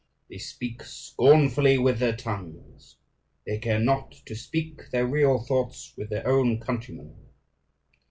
They speak scornfully with their tongues. They care not to speak their real thoughts with their own countrymen.